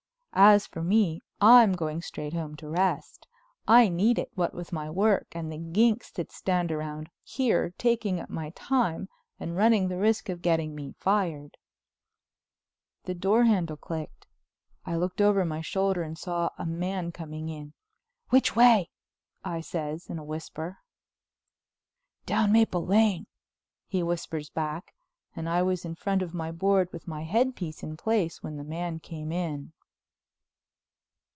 "As for me, I'm going straight home to rest. I need it, what with my work and the ginks that stand round here taking up my time and running the risk of getting me fired"—the door handle clicked. I looked over my shoulder and saw a man coming in. "Which way?" I says in a whisper. "Down Maple Lane," he whispers back, and I was in front of my board with my headpiece in place when the man came in.